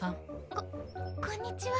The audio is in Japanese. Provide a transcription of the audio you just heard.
ここんにちは。